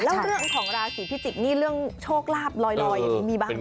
แล้วเรื่องของราศีพิจิกษ์นี่เรื่องโชคลาบลอยมีบ้าง